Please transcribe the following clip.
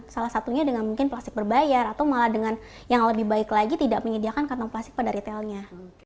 salah satunya dengan mungkin plastik berbayar atau malah dengan yang lebih baik lagi tidak menyediakan kantong plastik pada retailnya